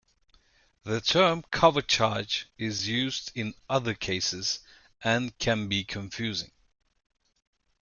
The term "cover charge" is used in other cases, and can be confusing.